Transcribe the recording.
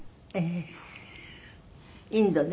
インドね？